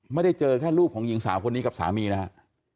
มีรูปของหญิงสาวคนนี้กับสามีนะครับ